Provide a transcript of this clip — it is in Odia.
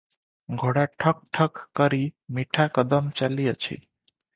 ଘୋଡ଼ା ଠକ୍ ଠକ୍ କରି ମିଠା କଦମ ଚାଲିଅଛି ।